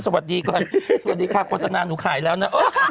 สวัสดีก่อนสวัสดีค่ะโฆษณาหนูขายแล้วนะเออ